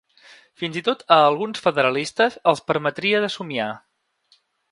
Fins i tot a alguns federalistes els permetria de somniar.